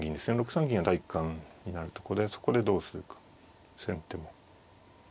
６三銀は第一感になるとこでそこでどうするか先手も。